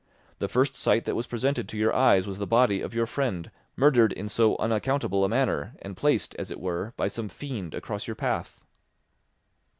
The first sight that was presented to your eyes was the body of your friend, murdered in so unaccountable a manner and placed, as it were, by some fiend across your path."